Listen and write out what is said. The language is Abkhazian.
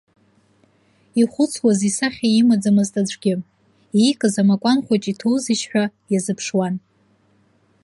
Ихәыцуаз исахьа имаӡамызт аӡәгьы, иикыз амакәан хәыҷ иҭоузеишь ҳәа иазыԥшуан.